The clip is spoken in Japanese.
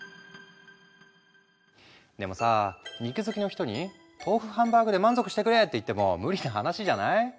でもさ肉好きの人に豆腐ハンバーグで満足してくれって言っても無理な話じゃない？